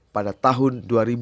pada tahun dua ribu dua